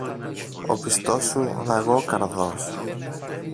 Ο πιστός σου Λαγόκαρδος